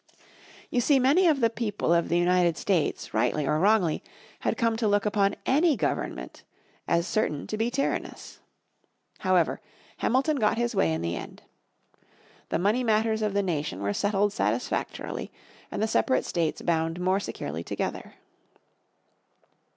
You see many of the people of the United States rightly or wrongly had come to look upon any government as certain to be tyrannous. However, Hamilton got his way in the end. The money matters of the nation were settled satisfactorily, and the separate states bound more securely together.